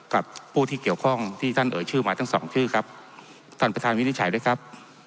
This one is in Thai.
กับผู้ที่เกี่ยวข้องที่ท่านเอ่ยชื่อมาทั้งสองชื่อครับท่านประธานวินิจฉัยด้วยครับ